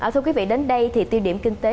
thưa quý vị đến đây thì tiêu điểm kinh tế